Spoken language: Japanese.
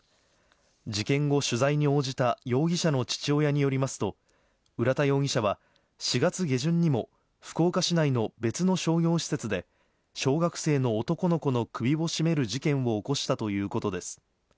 事件後、取材に応じた容疑者の父親によりますと、浦田容疑者は４月下旬にも福岡市内の別の商業施設で小学生の男の子の首を絞める事件を起こしたということです。